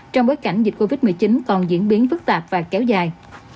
trong bối cảnh dịch covid một mươi chín còn diễn biến phức tạp và kéo dài